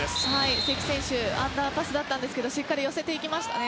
関選手アンダーパスだったんですがしっかり寄せていきましたね。